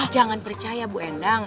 jangan percaya bu endang